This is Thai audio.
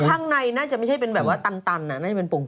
ข้างในน่าจะไม่ใช่เป็นแบบว่าตันน่าจะเป็นปง